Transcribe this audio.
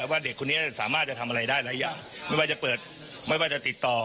ว่าเด็กคนนี้สามารถจะทำอะไรได้หลายอย่างไม่ว่าจะเปิดไม่ว่าจะติดต่อ